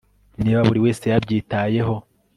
niba buri wese yabyitayeho